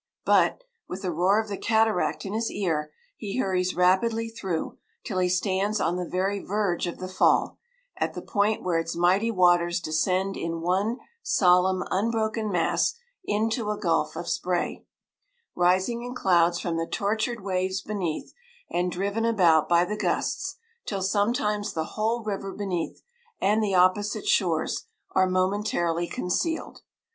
But, with the roar of the cataract in his ear, he hurries rapidly through, till he stands on the very verge of the Fall, at the point where its mighty waters descend in one solemn unbroken mass into a gulf of spray, rising in clouds from the tortured waves beneath, and driven about by the gusts, till sometimes the whole river beneath, and the opposite shores, are momentarily concealed.